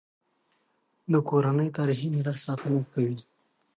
ده د کورنۍ تاریخي میراث ساتنه کوي.